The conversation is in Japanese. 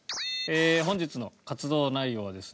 本日の活動内容はですね